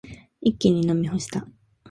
一気に飲み干した。